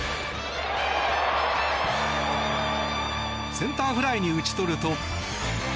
センターフライに打ち取ると。